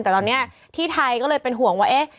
แต่ตอนนี้ที่ไทยก็เลยเป็นห่วงว่าเอ๊ะ